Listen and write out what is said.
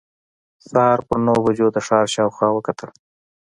سهار پر نهو بجو د ښار شاوخوا وکتل.